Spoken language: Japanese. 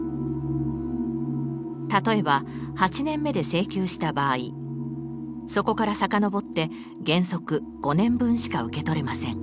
例えば８年目で請求した場合そこから遡って原則５年分しか受け取れません。